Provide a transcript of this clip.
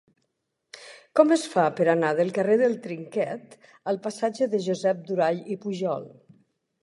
Com es fa per anar del carrer del Trinquet al passatge de Josep Durall i Pujol?